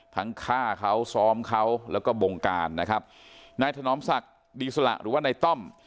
ฆ่าเขาซ้อมเขาแล้วก็บงการนะครับนายถนอมศักดิ์ดีสละหรือว่านายต้อม